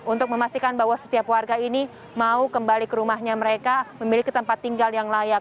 untuk memastikan bahwa setiap warga ini mau kembali ke rumahnya mereka memiliki tempat tinggal yang layak